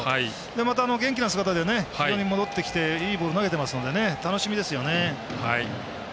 また、元気な姿で戻ってきていいボールを投げてますので楽しみですよね。